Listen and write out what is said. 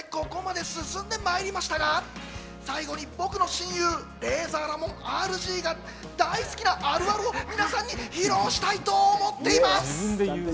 ということでここまで進んでまいりましたが、最後に僕の親友・レイザーラモンＲＧが大好きなあるあるを皆さんに披露したいと思っています。